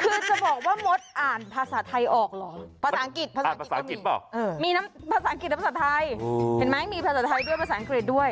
คือจะบอกว่ามดอ่านภาษาไทยออกหรออ่านภาษาอังกฤษบ้างมีภาษาอังกฤษแล้วภาษาไทยเห็นไหมมีภาษาไทยด้วยภาษาอังกฤษด้วย